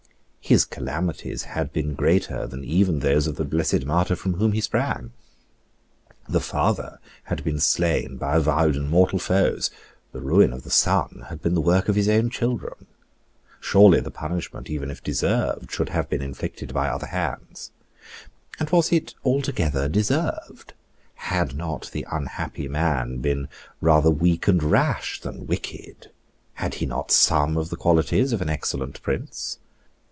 His calamities had been greater than even those of the Blessed Martyr from whom he sprang. The father had been slain by avowed and mortal foes: the ruin of the son had been the work of his own children. Surely the punishment, even if deserved, should have been inflicted by other hands. And was it altogether deserved? Had not the unhappy man been rather weak and rash than wicked? Had he not some of the qualities of an excellent prince?